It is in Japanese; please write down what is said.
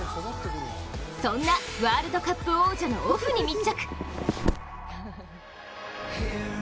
そんなワールドカップ王者のオフに密着。